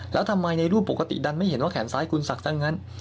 แล้วทำไมในรูปปกติดันไม่เห็นว่าแขนซ้ายคุณศักดิ์ซะงั้น